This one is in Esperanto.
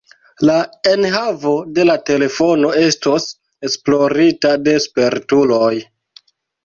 La enhavo de la telefono estos esplorita de spertuloj.